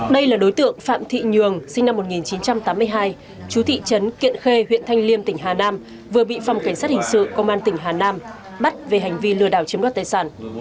đây là đối tượng phạm thị nhường sinh năm một nghìn chín trăm tám mươi hai chú thị trấn kiện khê huyện thanh liêm tỉnh hà nam vừa bị phòng cảnh sát hình sự công an tỉnh hà nam bắt về hành vi lừa đảo chiếm đoạt tài sản